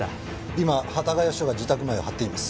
今幡ヶ谷署が自宅前を張っています。